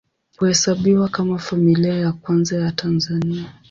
Huhesabiwa kama Familia ya Kwanza ya Tanzania.